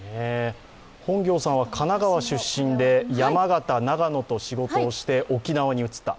本行さんは神奈川出身で山形、長野と仕事をして沖縄に移った。